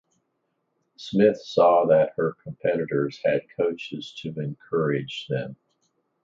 Smith saw that her competitors had coaches to encourage them.